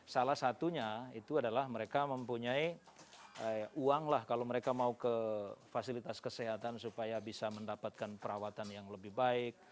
salah satunya itu adalah mereka mempunyai uang lah kalau mereka mau ke fasilitas kesehatan supaya bisa mendapatkan perawatan yang lebih baik